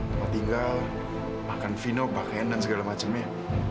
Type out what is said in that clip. tempat tinggal makan vino pakaian dan segala macamnya